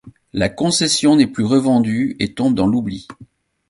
La concession n'est plus revendue et tombe dans l'oubli.